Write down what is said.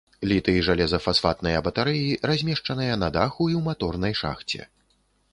Літый-жалеза-фасфатныя батарэі размешчаныя на даху і ў маторнай шахце.